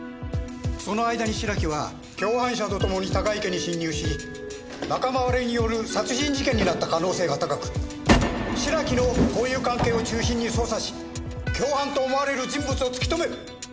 その間に白木は共犯者とともに高井家に侵入し仲間割れによる殺人事件になった可能性が高く白木の交友関係を中心に捜査し共犯と思われる人物を突き止める！